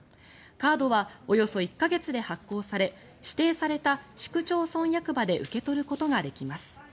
カードはおよそ１か月で発行され指定された市区町村役場で受け取ることができます。